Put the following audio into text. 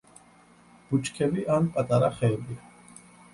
ბუჩქები ან პატარა ხეებია.